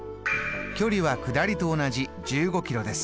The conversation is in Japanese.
距離は下りと同じ１５キロです。